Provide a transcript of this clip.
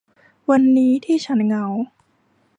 วันนี้ที่ฉันเหงา